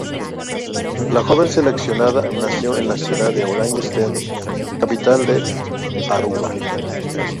La joven seleccionada nació en la ciudad de Oranjestad, capital de Aruba.